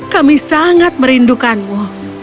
kami sangat merindukanmu